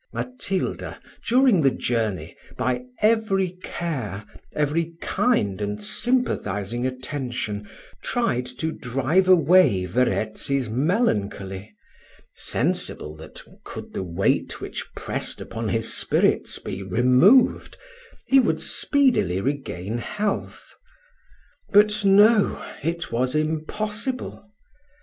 Matilda, during the journey, by every care, every kind and sympathising attention, tried to drive away Verezzi's melancholy; sensible that, could the weight which pressed upon his spirits be removed, he would speedily regain health. But, no! it was impossible.